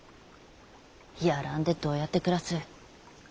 やらんでどうやって暮らす。